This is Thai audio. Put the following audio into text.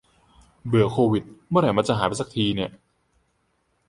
เบื่อโควิด เมื่อไหร่มันจะหายไปสักทีเนี่ย